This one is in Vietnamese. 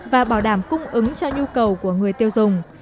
và bảo đảm cung ứng cho nhu cầu của người tiêu dùng